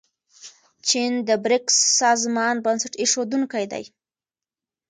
چین د بریکس سازمان بنسټ ایښودونکی دی.